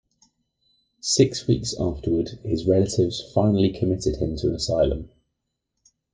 Six weeks afterward, his relatives finally committed him to an asylum.